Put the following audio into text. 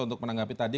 untuk menanggapi tadi